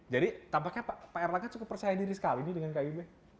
jadi tampaknya pak erlaka cukup percaya diri sekali nih dengan keb